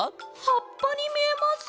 はっぱにみえます。